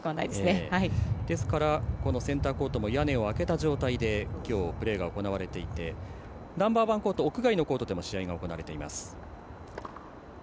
ですから、センターコートも屋根を開けた状態できょう、プレーが行われていてナンバーワンコート屋外のコートでも試合が行われています。